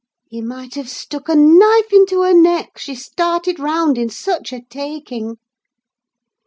He might have stuck a knife into her neck, she started round in such a taking.